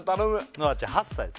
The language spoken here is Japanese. のあちゃん８歳です